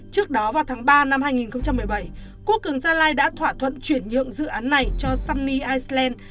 trước đó vào tháng ba năm hai nghìn một mươi bảy quốc cường gia lai đã thỏa thuận chuyển nhượng dự án này cho sumny iceland